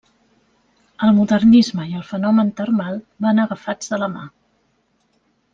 El modernisme i el fenomen termal van agafats de la mà.